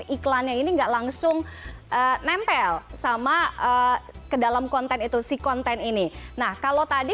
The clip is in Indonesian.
iklannya ini enggak langsung nempel sama ke dalam konten itu si konten ini nah kalau tadi